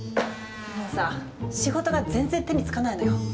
もうさ仕事が全然手につかないのよ。